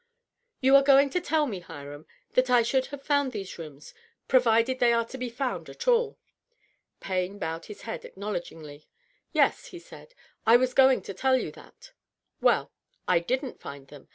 " You are going to tell me, Hiram, that I should have found these rooms, provided they are to be found at all." Payne bowed his head acknowledgingly. " Yes," he said, " I was going to tell you that." " Well, .. I didn't find them.